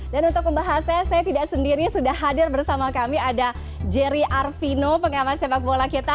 dan untuk membahasnya saya tidak sendiri sudah hadir bersama kami ada jerry arvino penghargaan sepak bola kita